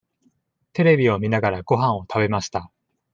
テレビを見ながらごはんを食べました。